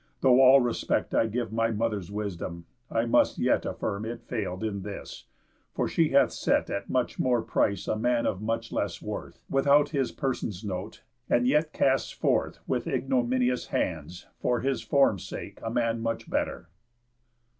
Though all respect I give my mother's wisdom, I must yet Affirm it fail'd in this; for she hath set At much more price a man of much less worth, Without his person's note, and yet casts forth With ignominious hands, for his form sake, A man much better."